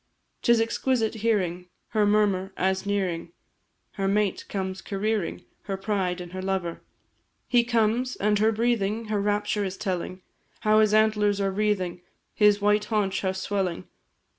'Tis exquisite hearing Her murmur, as, nearing, Her mate comes careering, Her pride, and her lover; He comes and her breathing Her rapture is telling; How his antlers are wreathing, His white haunch, how swelling!